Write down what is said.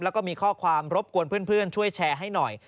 แล้วก็มีข้อความรบกวนเพื่อนช่วยแชร์ให้หน่อย